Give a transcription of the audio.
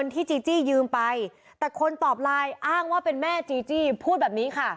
จีจี้ยืมไปแต่คนตอบไลน์อ้างว่าเป็นแม่จีจี้พูดแบบนี้ค่ะ